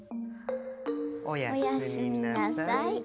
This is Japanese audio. おやすみなさい。